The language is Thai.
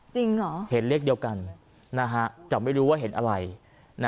จริงเหรอเห็นเลขเดียวกันแต่ไม่รู้ว่าเห็นอะไร